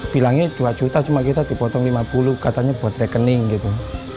bilangnya dua juta cuma kita dipotong lima puluh katanya buat rekening gitu